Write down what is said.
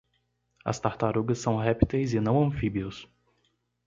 As tartarugas são répteis e não anfíbios.